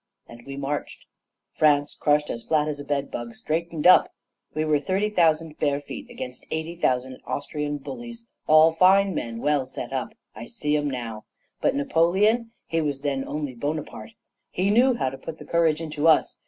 And we marched. France, crushed as flat as a bed bug, straightened up. We were thirty thousand bare feet against eighty thousand Austrian bullies, all fine men, well set up. I see 'em now! But Napoleon he was then only Bonaparte he knew how to put the courage into us!